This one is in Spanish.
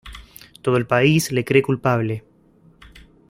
Todo el país le cree culpable.